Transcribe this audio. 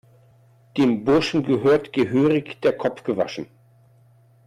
Dem Burschen gehört gehörig der Kopf gewaschen!